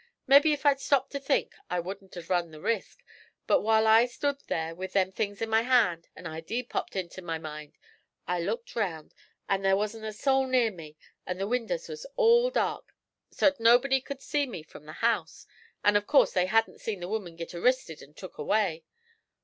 Mebbe if I'd stopped to think I wouldn't have run the risk, but while I stood there with them things in my hand a idee popped into my mind. I looked round; there wasn't a soul near me, an' the winders was all dark, so't nobody could see me from the house, and of course they hadn't seen the woman git arristed an' took away.